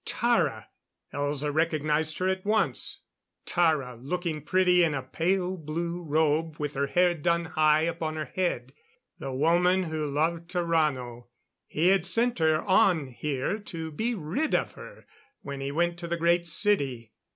Tara! Elza recognized her at once. Tara, looking very pretty in a pale blue robe, with her hair done high upon her head. The woman who loved Tarrano; he had sent her on here to be rid of her, when he went to the Great City.